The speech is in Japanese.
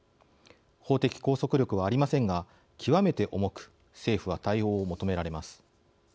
法的拘束力はありませんが極めて重く政府は対応を求められます。